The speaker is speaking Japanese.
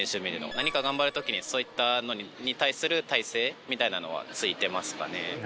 何か頑張る時にそういったのに対する耐性みたいなのはついてますかね。